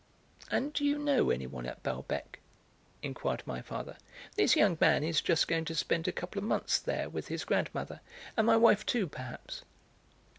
And do you know anyone at Balbec?" inquired my father. "This young man is just going to spend a couple of months there with his grandmother, and my wife too, perhaps."